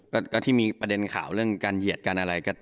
ก็ที่มีประเด็นข่าวเรื่องการเหยียดกันอะไร